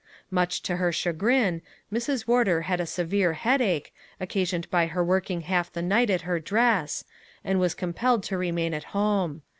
Much to her chagrin, Mrs. Wardour had a severe headache, occasioned by her working half the night at her dress, and was compelled to remain at home.